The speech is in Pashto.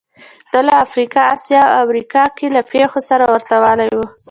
دا له افریقا، اسیا او امریکا کې له پېښو سره ورته والی و